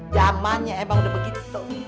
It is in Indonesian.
jamanya emang udah begitu